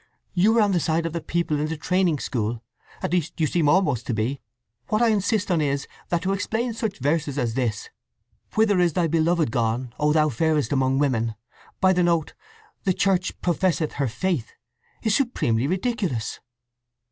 "You are on the side of the people in the training school—at least you seem almost to be! What I insist on is, that to explain such verses as this: 'Whither is thy beloved gone, O thou fairest among women?' by the note: 'The Church professeth her faith,' is supremely ridiculous!"